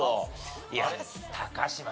いや高嶋さん